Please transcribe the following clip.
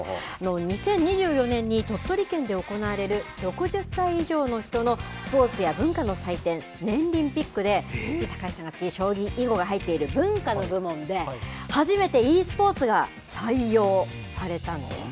２０２４年に鳥取県で行われる６０歳以上の人のスポーツや文化の祭典、ねんりんピックで、将棋、囲碁が入っている文化の部門で、初めてｅスポーツが採用されたんです。